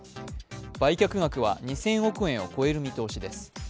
売却額は２０００億円を超える見通しです。